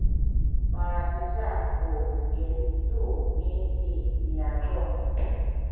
malatusa ku yincumin i niyazu’